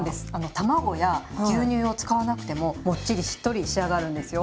卵や牛乳を使わなくてももっちりしっとり仕上がるんですよ。